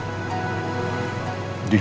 tapi aku mau dari sini